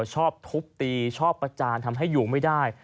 ชอบทุบตีชอบประจานทำให้อยู่ไม่ได้